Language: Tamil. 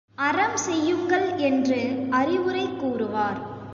அறம் செய்யுங்கள் என்று அறிவுரை கூறுவார்.